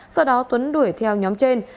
sau đó tuấn đuổi theo nhóm trên